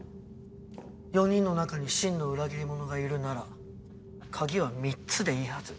４人の中に真の裏切り者がいるなら鍵は３つでいいはず。